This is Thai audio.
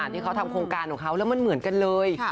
ที่เขาทำโครงการของเขาแล้วมันเหมือนกันเลย